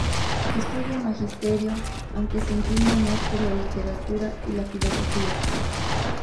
Estudia magisterio, aunque se inclina más por la literatura y la filosofía.